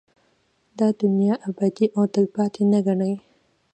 دا دنيا ابدي او تلپاتې نه گڼي